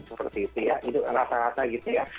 seperti itu ya itu rata rata gitu ya